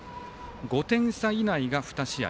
５点差以内が２試合。